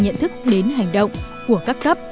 từ nhận thức đến hành động của các cấp